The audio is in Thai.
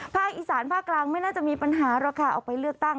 ภาคอีสานภาคกลางไม่น่าจะมีปัญหาหรอกค่ะออกไปเลือกตั้ง